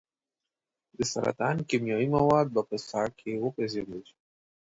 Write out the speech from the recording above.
د سرطان کیمیاوي مواد به په ساه کې وپیژندل شي.